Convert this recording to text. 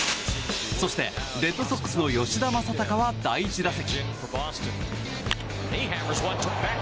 レッドソックスの吉田正尚選手は第１打席。